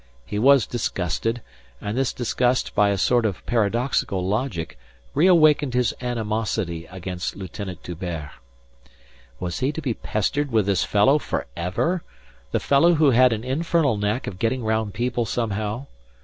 He was disgusted, and this disgust by a sort of paradoxical logic reawakened his animosity against Lieutenant D'Hubert. Was he to be pestered with this fellow for ever the fellow who had an infernal knack of getting round people somehow?